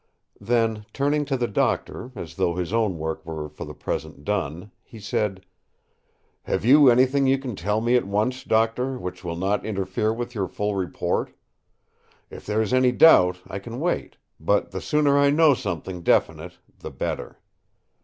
Then turning to the Doctor, as though his own work were for the present done, he said: "Have you anything you can tell me at once, Doctor, which will not interfere with your full report? If there is any doubt I can wait, but the sooner I know something definite the better."